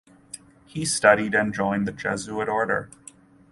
He studied and joined the Jesuit order.